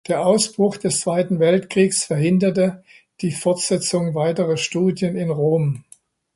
Der Ausbruch des Zweiten Weltkriegs verhinderte die Fortsetzung weiterer Studien in Rom.